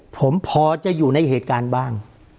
ผมพอจะอยู่ในเหตุการณ์บ้าง